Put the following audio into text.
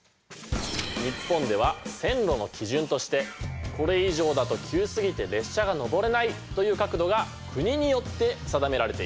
日本では線路の基準としてこれ以上だと急すぎて列車が登れないという角度が国によって定められています。